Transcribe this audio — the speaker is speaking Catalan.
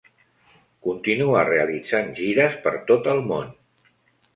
Continua realitzant gires per tot el món.